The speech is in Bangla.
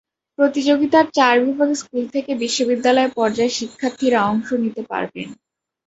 প্রতিযোগিতার চার বিভাগে স্কুল থেকে বিশ্ববিদ্যালয় পর্যায়ের শিক্ষার্থীরা অংশ নিতে পারবেন।